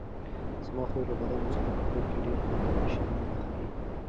زما خور له بادامو څخه په کور کې ډېر خوندور شیریني پخوي.